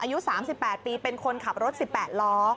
อายุ๓๘ปีเป็นคนขับรถ๑๘ล้อ